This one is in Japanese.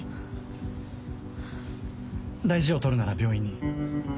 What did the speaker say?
大事を取るなら病院に。